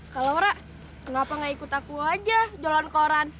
kalo laura kenapa gak ikut aku aja jalan koran